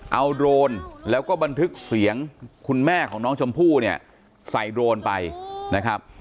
เอาโดรนแล้วก็บันทึกเสียงคุณแม่ของน้องชมพู่เนี่ยใส่โดรนไปนะครับ